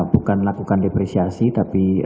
bukan melakukan depresiasi tapi